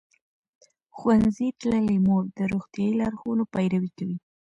ښوونځې تللې مور د روغتیايي لارښوونو پیروي کوي.